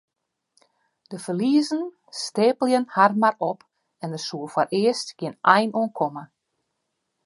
De ferliezen steapelen har mar op en dêr soe foarearst gjin ein oan komme.